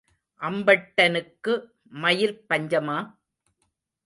அம்பட்டனுக்கு மயிர்ப் பஞ்சமா?